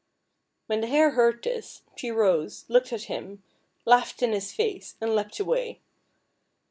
When the Hare heard this, she rose, looked at him, laughed in his face, and leaped away.